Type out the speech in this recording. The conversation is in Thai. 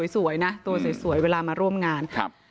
สวยนะตัวสวยเวลามาร่วมงานครับ